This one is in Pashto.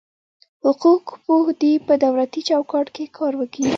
حقوق پوه دي په دولتي چوکاټ کي کار وکي.